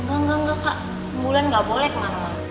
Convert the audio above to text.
engga engga kak bulan gak boleh kemana mana